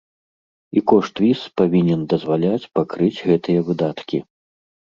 І кошт віз павінен дазваляць пакрыць гэтыя выдаткі.